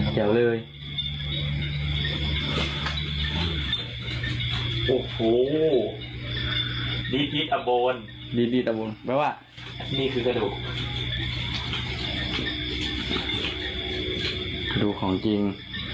กระดูกของจริง